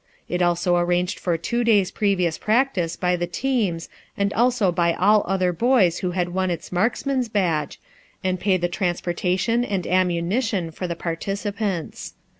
It also arranged for two days' previous practice by the teams and also by all other boys who had won its marksman's badge, and paid the transportation and ammunition for the participants.